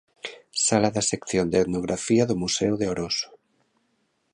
Sala da sección de etnografía do museo de Oroso.